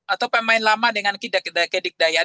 atau pemain lama dengan kedikdayaan